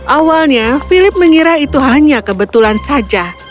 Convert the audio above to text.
awalnya philip mengira itu hanya kebetulan saja